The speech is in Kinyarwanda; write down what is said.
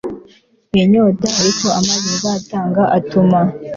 inyota ariko amazi nzatanga atuma